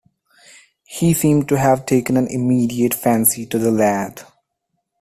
He seemed to have taken an immediate fancy to the lad.